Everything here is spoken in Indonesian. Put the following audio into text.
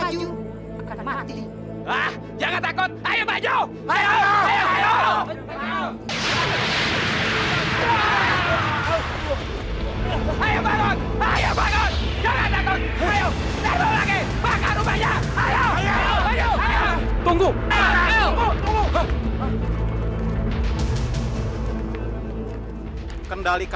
jadi biarkan dia pergi